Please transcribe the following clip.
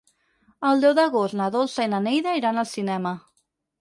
El deu d'agost na Dolça i na Neida iran al cinema.